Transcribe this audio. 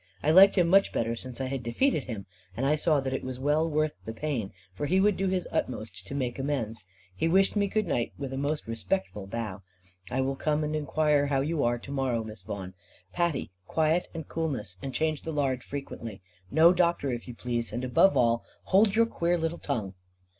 I liked him much better since I had defeated him; and I saw that it was well worth the pain, for he would do his utmost to make amends. He wished me good night with a most respectful bow. "I will come and inquire how you are to morrow, Miss Vaughan. Patty, quiet, and coolness, and change the lard frequently. No doctor, if you please; and above all hold your queer little tongue."